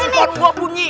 telepon gua bunyi